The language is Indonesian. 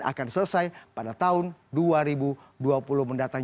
akan selesai pada tahun dua ribu dua puluh mendatang